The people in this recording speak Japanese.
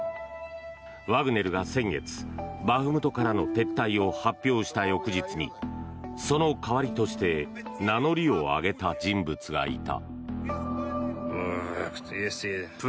ワグネルが先月、バフムトからの撤退を発表した翌日にその代わりとして名乗りを上げた人物がいた。